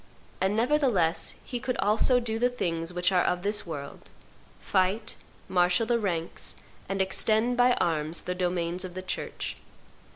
And, nevertheless, he could also do the things which are of this world, fight, marshal the ranks, and extend by arms the domains of the Church.